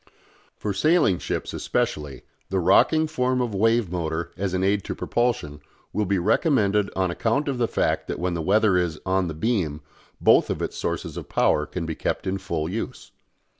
For sailing ships especially, the rocking form of wave motor as an aid to propulsion will be recommended on account of the fact that when the weather is "on the beam" both of its sources of power can be kept in full use.